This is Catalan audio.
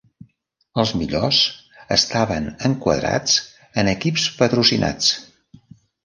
Els millors estaven enquadrats en equips patrocinats.